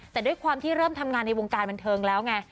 แต่ด้วยความที่เริ่มทำงานในวงการบันเทิงแล้วไง